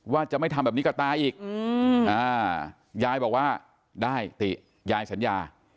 ว่าจะไม่ทำแบบนี้กับตาอีกยายบอกว่าได้ติยายสัญญา